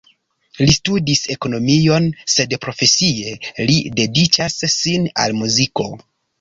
Li studis ekonomion, sed profesie li dediĉas sin al muziko.